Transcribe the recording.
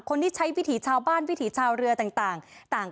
คนที่ใช้วิถีชาวบ้านวิถีชาวเรือต่าง